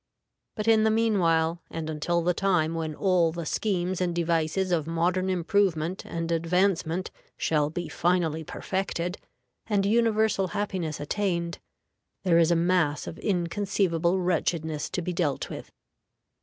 But in the mean while, and until the time when all the schemes and devices of modern improvement and advancement shall be finally perfected, and universal happiness attained, there is a mass of inconceivable wretchedness to be dealt with.